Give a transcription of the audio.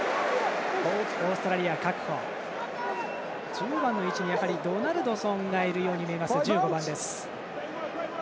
１０番の位置にドナルドソンがいるように見えます、１５番です。